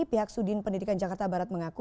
pihak sudin pendidikan jakarta barat mengaku